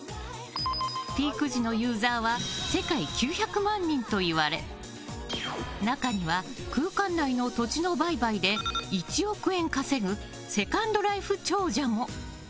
ピーク時のユーザーは世界９００万人といわれ中には、空間内の土地の売買で１億円稼ぐセカンドライフ長者も。